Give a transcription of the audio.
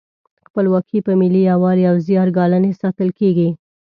خپلواکي په ملي یووالي او زیار ګالنې ساتل کیږي.